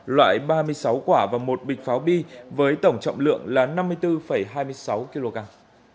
loại ba mươi sáu quả và một bịch pháo bi với tổng trọng lượng là năm mươi bốn hai mươi sáu kg